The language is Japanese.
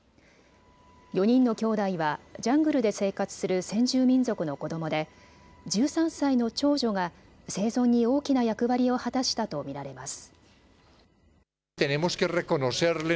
４人のきょうだいはジャングルで生活する先住民族の子どもで１３歳の長女が生存に大きな役割を果たしたと見られます。